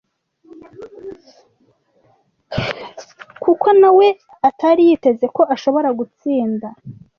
kuko na we atari yiteze ko ashobora gutsinda